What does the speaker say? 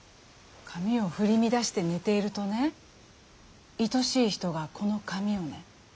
髪を振り乱して寝ているとねいとしい人がこの髪をね